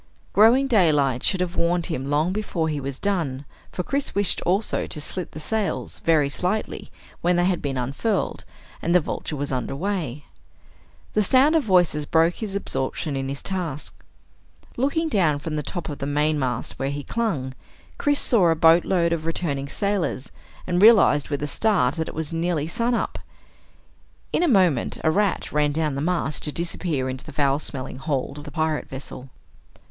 Growing daylight should have warned him long before he was done, for Chris wished also to slit the sails, very slightly, when they had been unfurled and the Vulture was under way. The sound of voices broke his absorption in his task. Looking down from the top of the mainmast where he clung, Chris saw a boatload of returning sailors and realized with a start that it was nearly sunup. In a moment a rat ran down the mast to disappear into the foul smelling hold of the pirate vessel.